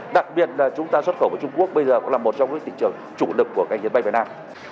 đặc biệt là chúng ta xuất khẩu vào trung quốc bây giờ cũng là một trong những thị trường chủ lực của ngành dịch may việt nam